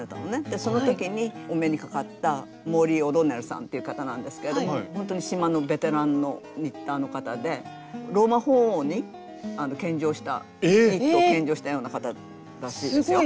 でその時にお目にかかったモーリン・オドンネルさんっていう方なんですけれどもほんとに島のベテランのニッターの方でローマ法王に献上したニットを献上したような方らしいですよ。